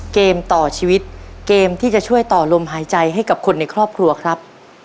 เกมต่อชีวิตเกมที่จะช่วยต่อลมหายใจให้กับคนในครอบครัวครับ